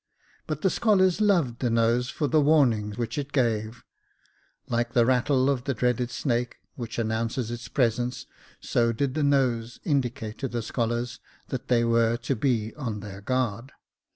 But the scholars loved the nose for the warning which it gave : like the rattle of the dreaded snake, which announces its presence, so did the nose indicate to the scholars that they were to be on their guard.